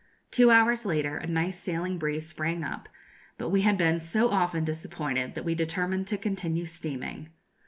Two hours later a nice sailing breeze sprang up; but we had been so often disappointed that we determined to continue steaming.